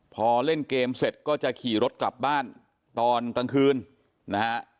พอเล่นเกมเสร็จก็จะขี่รถกลับบ้านตอนกลางคืนนะฮะ